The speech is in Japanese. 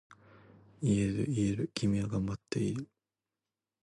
言える言える、君は頑張っている。